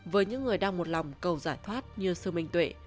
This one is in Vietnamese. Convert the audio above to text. với những người đang một lòng cầu giải thoát như sư minh tuệ